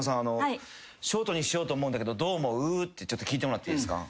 ショートにしようと思うんだけどどう思う？って聞いてもらっていいですか？